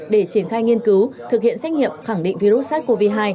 để triển khai nghiên cứu thực hiện xét nghiệm khẳng định virus sars cov hai